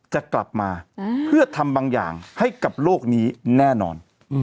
จะกลับมาเพื่อทำบางอย่างให้กับโลกนี้แน่นอน